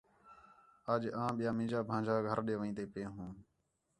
اَڄ آں ٻِیا مینجا بھانڄا گھر ݙے وین٘دے پئے ہوں